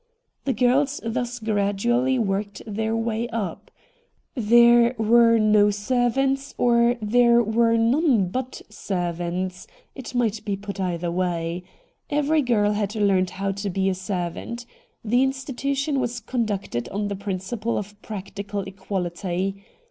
The girls thus gradually worked their way up. There were no servants, or there were none but servants — it might be put either way. Every girl had learned how to be a servant. The institution was conducted on the principle of FIDELIA LOCKE 147 practical equality.